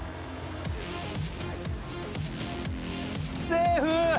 セーフ！